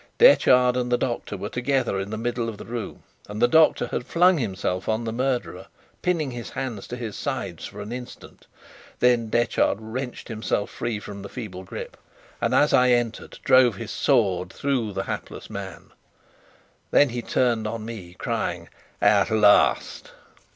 Detchard and the doctor were together in the middle of the room; and the doctor had flung himself on the murderer, pinning his hands to his sides for an instant. Then Detchard wrenched himself free from the feeble grip, and, as I entered, drove his sword through the hapless man. Then he turned on me, crying: "At last!"